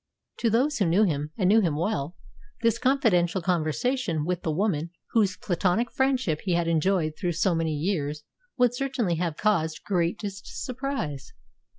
To those who knew him, and knew him well, this confidential conversation with the woman whose platonic friendship he had enjoyed through so many years would certainly have caused greatest surprise.